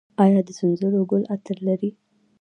آیا د سنځلو ګل عطر لري؟